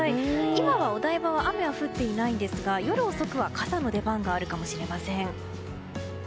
今はお台場は雨は降っていないんですが夜遅くは傘の出番があるかもしれません。